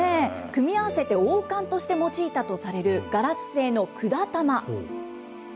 組み合わせて王冠として用いたとされるガラス製の管玉。